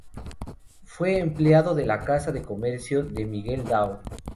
Fue empleado de la casa de comercio de Miguel Dao.